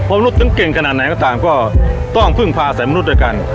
มนุษย์ถึงเก่งขนาดไหนก็ตามก็ต้องพึ่งพาใส่มนุษย์ด้วยกัน